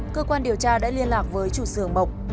cơ quan điều tra đã liên lạc với chủ sưởng mộc